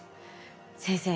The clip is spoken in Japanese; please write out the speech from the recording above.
先生